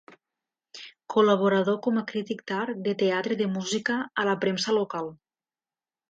Col·laborador com a crític d'art, de teatre de música a la premsa local.